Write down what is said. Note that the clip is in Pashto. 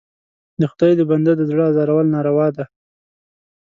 د خدای د بنده د زړه ازارول ناروا ده.